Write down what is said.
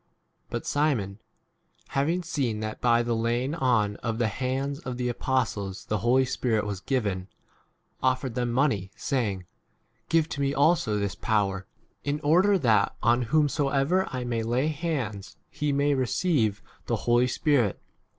But Simon, having seen that by the laying on of the hands of the apostles the Holy Spirit was given, 19 offered them money, saying, Give to me also this power, in order that on whomsoever I may lay hands he may receive [the] Holy 20 Spirit.